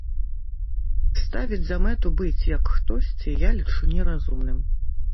Ставіць за мэту быць, як хтосьці, я лічу неразумным.